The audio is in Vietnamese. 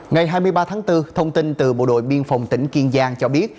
ngày hai mươi ba tháng bốn thông tin từ bộ đội biên phòng tỉnh kiên giang cho biết